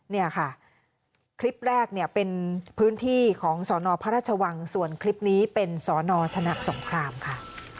เนี่ยค่ะคลิปแรกเนี่ยเป็นพื้นที่ของสนพระราชวังส่วนคลิปนี้เป็นสนชนะสงครามค่ะ